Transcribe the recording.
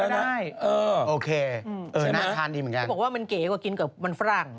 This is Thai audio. ต้องบอกว่ามันเก๋กกับกินมันฝรั่ง